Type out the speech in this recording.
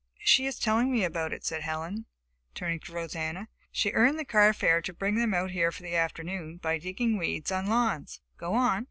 "She is telling me about it," said Helen, turning to Rosanna. "She earned the carfare to bring them out here for the afternoon by digging weeds on lawns. Go on!"